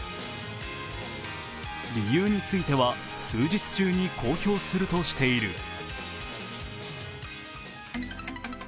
理由については数日中に公表するとしている。